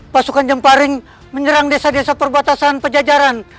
pasukan jomparin menyerang desa desa perbatasan penjajaran